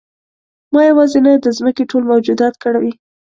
ما یوازې نه د ځمکې ټول موجودات کړوي.